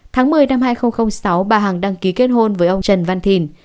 tháng một mươi năm hai nghìn sáu bà hằng đăng ký kết hôn với ông trần văn thìn